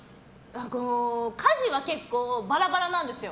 家事は結構バラバラなんですよ。